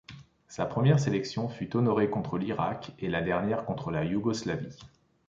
Sa première sélection fut honorée contre l'Irak et la dernière contre la Yougoslavie.